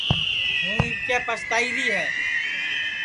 ہُوں اِٻکے پستائیری ہے